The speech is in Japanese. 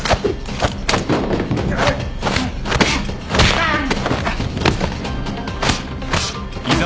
あっ！